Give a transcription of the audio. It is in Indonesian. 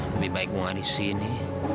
lebih baik gua ga di sini